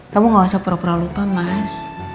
kamu gak usah pura pura lupa mas